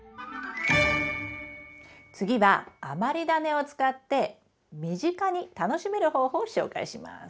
次は余りダネを使って身近に楽しめる方法を紹介します。